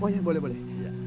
oh ya boleh boleh